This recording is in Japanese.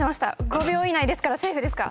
５秒以内ですからセーフですか？